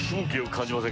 感じます